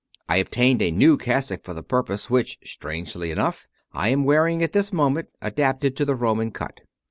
I obtained a new cassock for the purpose, which, strangely enough, I am wear ing at this moment, adapted to the Roman cut.